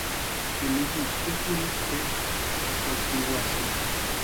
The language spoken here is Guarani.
Henyhẽtékuri upe koty guasu.